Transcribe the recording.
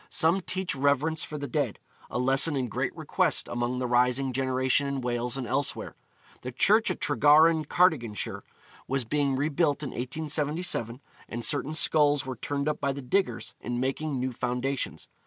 Some teach reverence for the dead, a lesson in great request among the rising generation in Wales and elsewhere. The church at Tregaron, Cardiganshire, was being rebuilt in 1877, and certain skulls were turned up by the diggers in making new foundations.